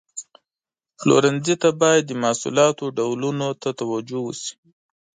پلورنځي ته باید د محصولاتو ډولونو ته توجه وشي.